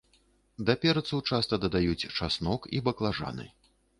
Да перцу часта дадаюць часнок і баклажаны.